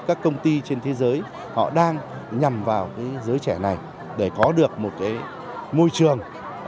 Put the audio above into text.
các công ty trên thế giới họ đang nhằm vào cái giới trẻ này để có được một môi trường